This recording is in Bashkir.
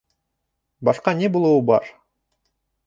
Башҡа ни булыуы бар?